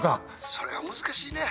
それは難しいね。